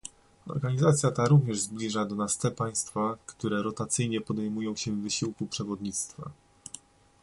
Organizacja ta również zbliża do nas te państwa, które rotacyjnie podejmują się wysiłku przewodnictwa